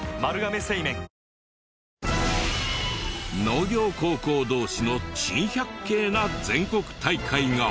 農業高校同士の珍百景な全国大会が！